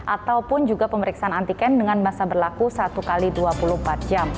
ataupun juga pemeriksaan antigen dengan masa berlaku satu x dua puluh empat jam